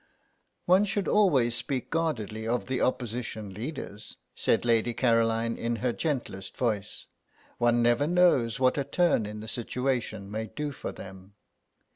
"One should always speak guardedly of the Opposition leaders," said Lady Caroline, in her gentlest voice; "one never knows what a turn in the situation may do for them."